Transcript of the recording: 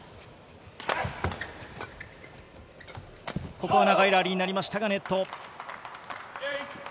ここは長いラリーになりましたが、ネット。